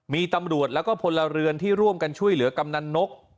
มีตำรวจแล้วก็พลเรือนที่ร่วมกันช่วยเหลือกำนันนก